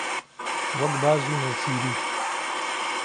وهک باز و نێچیری